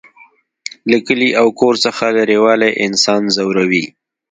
له کلي او کور څخه لرېوالی انسان ځوروي